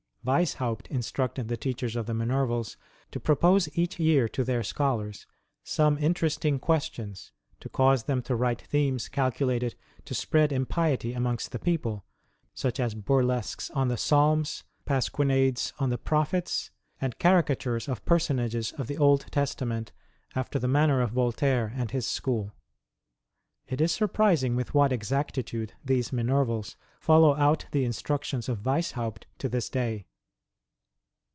Weishaupt instructed the teachersof the Minervals to propose each year to their scholars some interesting questions, to cause them to write themes calculated to spread impiety amongst the people, such as burlesques on the Psalms, pasquinades on the Prophets, and caricatures of personages of the Old Testament after the manner of Voltaire and his school. It is surprising with what exactitude these Minervals follow out the instructions of Weishaupt to this day.